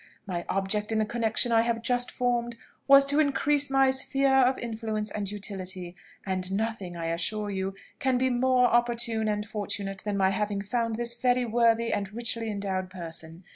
My object in the connexion I have just formed, was to increase my sphere of influence and utility; and nothing, I assure you, can be more opportune and fortunate than my having found this very worthy and richly endowed person.